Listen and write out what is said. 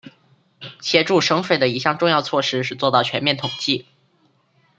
协助省水的一项重要措施是做到全面统计。